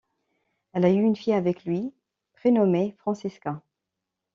Elle a eu une fille avec lui prénommée Francesca.